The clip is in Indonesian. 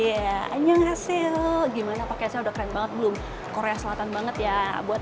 iya anjing hasil gimana pakai saya udah keren banget belum korea selatan banget ya buat